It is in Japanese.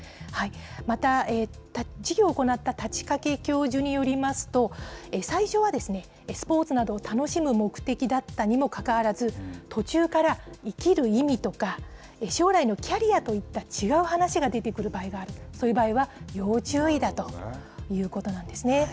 また授業を行った太刀掛教授によりますと、最初はスポーツなどを楽しむ目的だったにもかかわらず、途中から生きる意味とか、将来のキャリアといった、違う話が出てくる場合がある、そういう場合は、要注意だということなんですね。